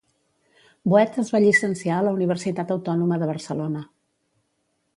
Boet es va llicenciar a la Universitat Autònoma de Barcelona.